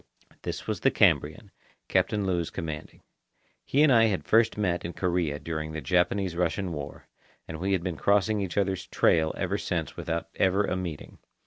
This was the Cambrian, Captain Lewes commanding. He and I had first met in Korea during the Japanese Russian War, and we had been crossing each other's trail ever since without ever a meeting.